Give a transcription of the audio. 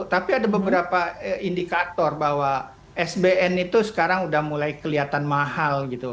tapi ada beberapa indikator bahwa sbn itu sekarang udah mulai kelihatan mahal gitu